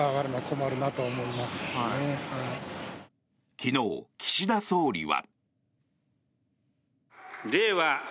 昨日、岸田総理は。